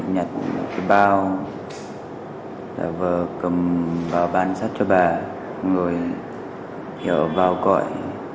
nhật một cái bao vợ cầm vào bàn sắt cho bà rồi hiệu vào gọi